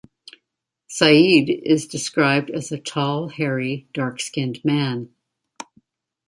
Sa'id is described as a tall, hairy, dark-skinned man.